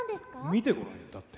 見てごらんだって。